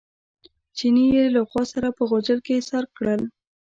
چیني یې له غوا سره په غوجل کې ایسار کړل.